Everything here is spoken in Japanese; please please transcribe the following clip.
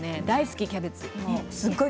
大好き、キャベツ。